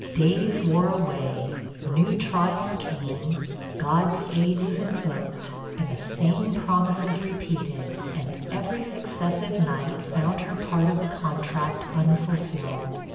Days wore away new trials came God's aid was invoked, and the same promises repeated; and every successive night found her part of the contract unfulfilled.